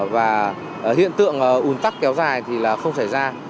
và hiện tượng ồn tắc kéo dài thì không xảy ra